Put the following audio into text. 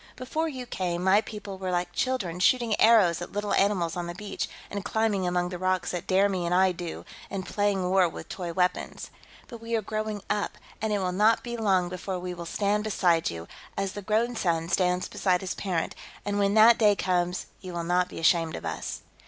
Before you came, my people were like children, shooting arrows at little animals on the beach, and climbing among the rocks at dare me and I do, and playing war with toy weapons. But we are growing up, and it will not be long before we will stand beside you, as the grown son stands beside his parent, and when that day comes, you will not be ashamed of us."